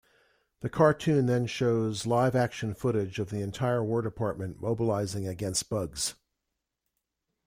The cartoon then shows live-action footage of the entire War Department mobilizing against Bugs.